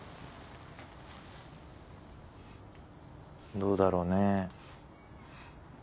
どうだろうね。